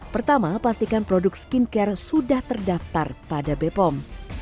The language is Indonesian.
pertama pastikan produk skincare sudah terdaftar pada bepom